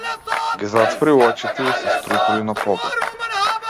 Ги затвори очите и се струполи на подот.